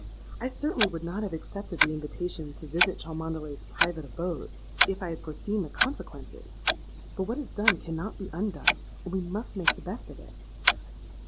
I certainly would not have accepted the invitation to visit Cholmondeley's private abode, if I had foreseen the consequences. But what is done cannot be undone; and we must make the best of it.'